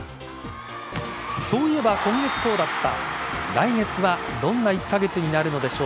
そういえば今月こうだった。